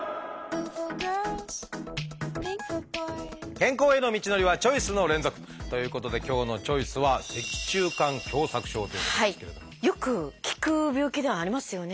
健康への道のりはチョイスの連続！ということで今日の「チョイス」はよく聞く病気ではありますよね。